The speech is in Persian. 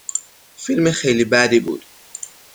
فیلم خیلی بدی بود